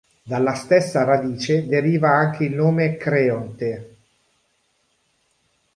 Dalla stessa radice deriva anche il nome Creonte.